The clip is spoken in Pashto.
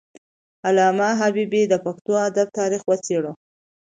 علامه حبيبي د پښتو ادب تاریخ وڅیړه.